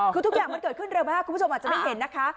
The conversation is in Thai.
คือทุกอย่างมันเกิดขึ้นเร็วมากคุณผู้ชมอาจจะไม่เห็นนะคะ